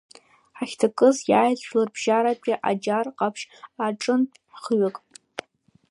Ҳахьҭакыз иааит Жәларбжьаратәи аџьар ҟаԥшь аҿынтә хҩык…